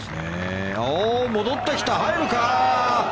戻ってきた、入るか。